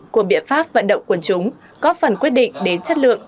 của biện pháp vận động quần chúng có phần quyết định đến chất lượng